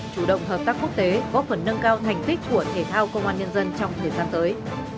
chủ động hợp tác quốc tế góp phần nâng cao thành tích của thể thao công an nhân dân trong thời gian tới